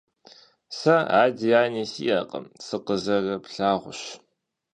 Сэ ади ани сиӀэкъым. Сыкъызэрыплъагъущ.